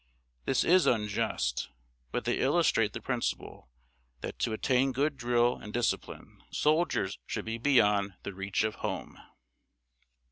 This is unjust; but they illustrate the principle, that to attain good drill and discipline, soldiers should be beyond the reach of home.